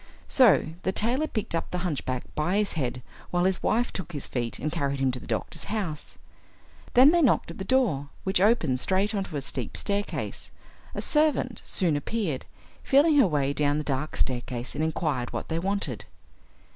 So the tailor picked up the hunchback by his head while his wife took his feet and carried him to the doctor's house. Then they knocked at the door, which opened straight on to a steep staircase. A servant soon appeared, feeling her way down the dark staircase and inquired what they wanted.